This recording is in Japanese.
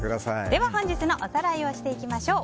本日のおさらいをしていきましょう。